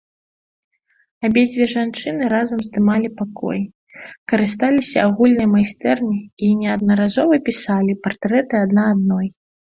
Абедзве жанчыны разам здымалі пакой, карысталіся агульнай майстэрняй і неаднаразова пісалі партрэты адна адной.